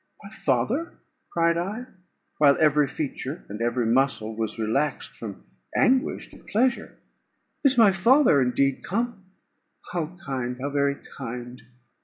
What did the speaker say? "My father!" cried I, while every feature and every muscle was relaxed from anguish to pleasure: "is my father indeed come? How kind, how very kind!